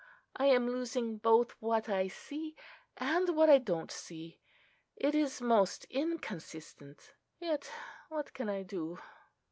I am losing both what I see, and what I don't see. It is most inconsistent: yet what can I do?"